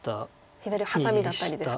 左上ハサミだったりですか？